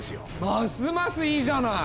ますますいいじゃない！